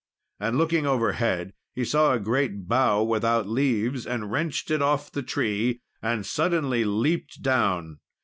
And looking overhead, he saw a great bough without leaves, and wrenched it off the tree, and suddenly leaped down.